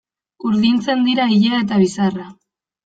Urdintzen dira ilea eta bizarra.